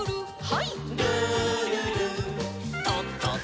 はい。